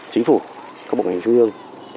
chính phủ các bộ ngoại hình trung ương